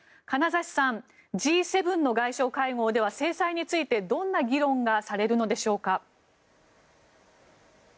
金指さん、Ｇ７の外相会合では制裁についてどんな議論がされるのでしょうか。